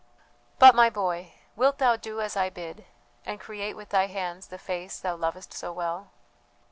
But, my boy, wilt thou do as I bid, and create with thy hands the face thou lovest so well?"